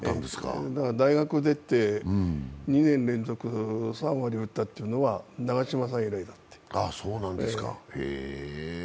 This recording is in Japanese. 大学出て、２年連続、３割打ったというのは長嶋さん以来だっていう。